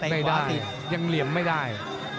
ไม่ได้ยังเหลี่ยมไม่ได้